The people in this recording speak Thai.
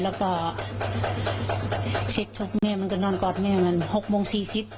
แล้วก็เช็คชกเม่มันก็นอนกอดเม่มันหกโมงสี่สิบ